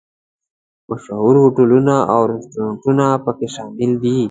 مشهور هوټلونه او رسټورانټونه په کې شامل دي.